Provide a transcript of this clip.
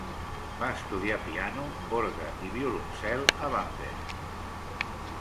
Va estudiar piano, orgue i violoncel a Bamberg.